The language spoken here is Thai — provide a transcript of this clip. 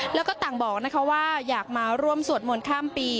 แล้วก็ต่างบอกว่าอยากมาร่วมสวดมนต์ข้ามปี